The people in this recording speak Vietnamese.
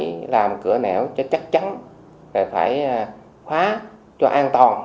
phải làm cửa nẻo cho chắc chắn phải khóa cho an toàn